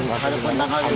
ada kontak ada manawan